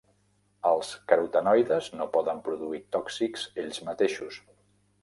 Els carotenoides no poden produir tòxics ells mateixos.